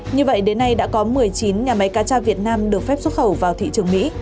như vậy đến nay đã có một mươi chín nhà máy cà tra việt nam được phép xuất khẩu